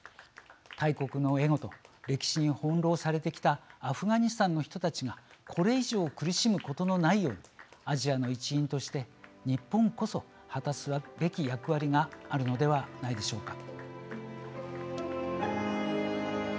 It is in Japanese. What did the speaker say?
大国のエゴと歴史に翻弄されてきたアフガニスタンの人たちがこれ以上苦しむことのないようにアジアの一員として、日本こそ果たすべき役割があるのではないでしょうか。